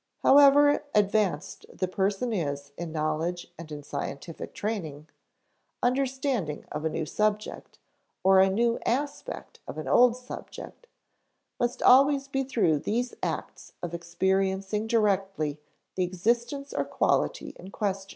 However advanced the person is in knowledge and in scientific training, understanding of a new subject, or a new aspect of an old subject, must always be through these acts of experiencing directly the existence or quality in question.